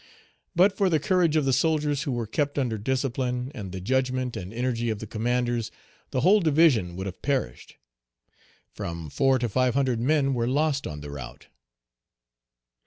But for the courage of the soldiers who were kept under discipline, and the judgment and energy of the commanders, the whole division would have perished. From four to five hundred men were lost on the route.